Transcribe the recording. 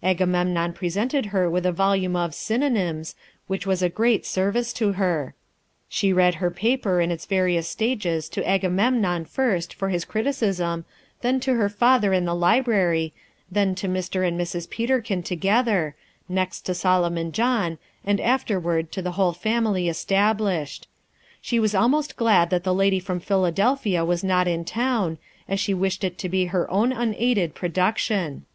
Agamemnon presented her with a volume of "Synonymes," which was a great service to her. She read her paper, in its various stages, to Agamemnon first, for his criticism, then to her father in the library, then to Mr. and Mrs. Peterkin together, next to Solomon John, and afterward to the whole family assembled. She was almost glad that the lady from Philadelphia was not in town, as she wished it to be her own unaided production.